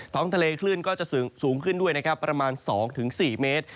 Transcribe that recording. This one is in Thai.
ท้องทะเลคลื่นก็จะสูงขึ้นด้วยนะครับประมาณ๒๔เมตร